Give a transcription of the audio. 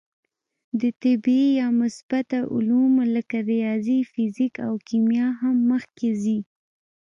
د طبعي یا مثبته علومو لکه ریاضي، فیزیک او کیمیا هم مخکې ځي.